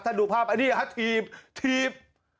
ท่านดูภาพอันนี้ครับธีบธีบ